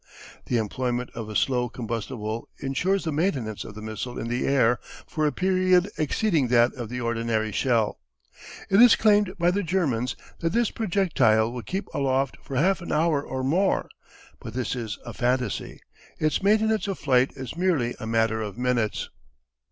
The employment of a slow combustible ensures the maintenance of the missile in the air for a period exceeding that of the ordinary shell. It is claimed by the Germans that this projectile will keep aloft for half an hour or more, but this is a phantasy. Its maintenance of flight is merely a matter of minutes.